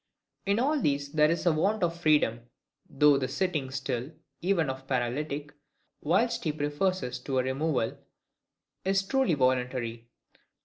In all these there is want of freedom; though the sitting still, even of a paralytic, whilst he prefers it to a removal, is truly voluntary.